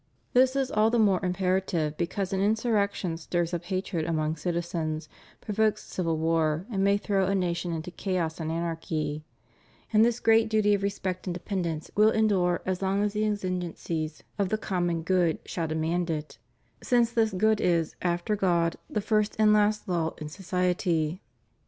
This is all the more imperative because an insurrection stirs up hatred among citizens, provokes civil war, and may throw a nation into chaos and anarchy, and this great duty of respect and dependence Tvill endure 1 as long as the exigencies of the common good shall demand it, since this good is, after God, the first and last law in society.